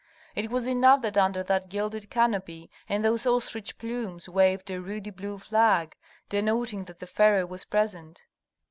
It was enough that under that gilded canopy and those ostrich plumes waved a ruddy blue flag, denoting that the pharaoh was present.